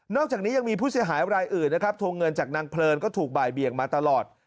อกจากนี้ยังมีผู้เสียหายรายอื่นนะครับทวงเงินจากนางเพลินก็ถูกบ่ายเบียงมาตลอด